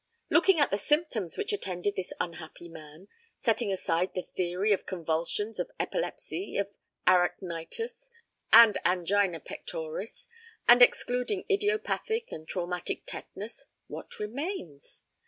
Looking at the symptoms which attended this unhappy man, setting aside the theory of convulsions of epilepsy, of arachnitis, and angina pectoris, and excluding idiopathic and traumatic tetanus what remains?